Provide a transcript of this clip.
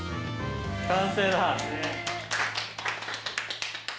完成だ！